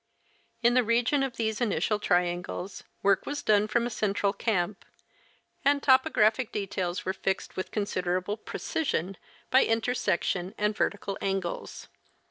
In the region of these initial triangles, work was done from a central camp ; and topo graphic details were fixed with considerable precision by intersection and vertical angles.